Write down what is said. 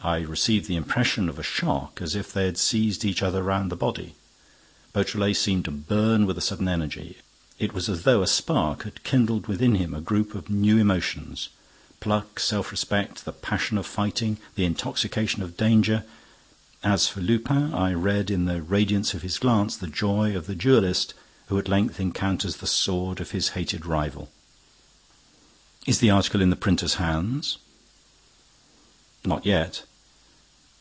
I received the impression of a shock, as if they had seized each other round the body. Beautrelet seemed to burn with a sudden energy. It was as though a spark had kindled within him a group of new emotions: pluck, self respect, the passion of fighting, the intoxication of danger. As for Lupin, I read in the radiance of his glance the joy of the duellist who at length encounters the sword of his hated rival. "Is the article in the printer's hands?" "Not yet."